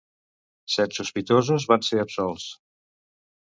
Set sospitosos van ser absolts.